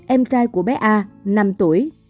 em trai của bé a năm tuổi